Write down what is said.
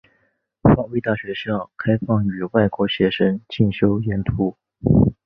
防卫大学校开放予外国学生进修研读。